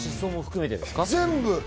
全部。